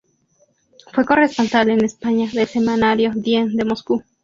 Fue corresponsal en España del semanario "Dien" de Moscú.